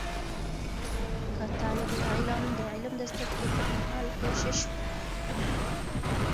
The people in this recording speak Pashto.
که طالب العلم د علم د زده کړې پر مهال کوشش وکړي